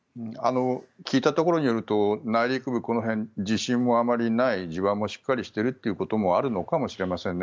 聞いたところによると内陸部、この辺地震もあまりない地盤もしっかりしているということもあるのかもしれませんね。